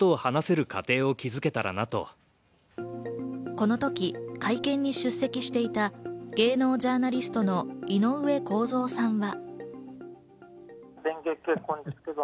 この時、会見に出席していた芸能ジャーナリストの井上公造さんは。